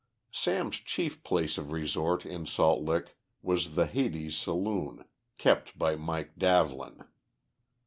Sam's chief place of resort in Salt Lick was the Hades Saloon, kept by Mike Davlin.